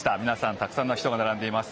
たくさんの人が並んでいます。